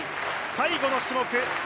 最後の種目。